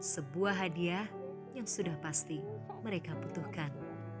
sebuah hadiah yang sudah pasti mereka butuhkan